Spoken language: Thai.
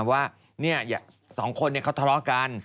ว่าสองคนเขาทะเลาะกัน